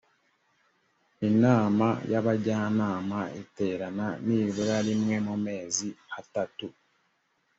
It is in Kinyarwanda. inama y abajyanama iterana nibura rimwe mu mezi atatu